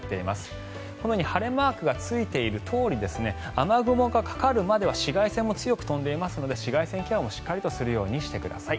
このように晴れマークがついているとおり雨雲がかかるまでは紫外線も強く飛んでいますので紫外線ケアもしっかりするようにしてください。